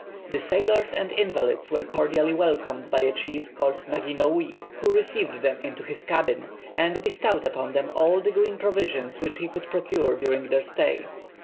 The sailors and invalids were cordially welcomed by a chief called Naginoui, who received them into his cabin, and bestowed upon them all the green provisions which he could procure during their stay.